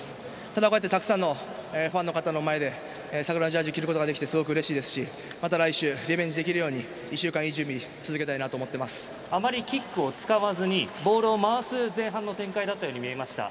ただ、こうやってファンの方々の前で桜ジャージーを着ることができてうれしいですしまた来週リベンジできるようあまりキックを使わずにボールを回す前半の戦いだったと思いました。